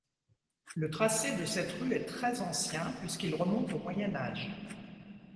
Le tracé de cette rue est très ancien puisqu'il remonte au Moyen Âge.